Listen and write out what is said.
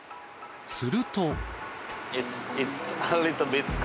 すると。